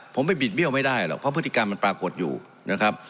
ผมไปบิดเบี้ยวไม่ได้หรอกเพราะพฤติกรรมมันปรากฏอยู่นะครับ